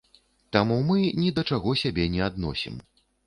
Таму мы ні да чаго сябе не адносім.